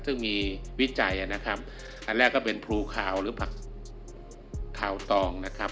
ซึ่งมีวิจัยนะครับอันแรกก็เป็นพลูคาวหรือผักคาวตองนะครับ